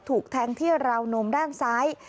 ถูกแทงที่ราวนมด้านซ้าย